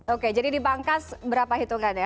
oke jadi di bangkas berapa hitungannya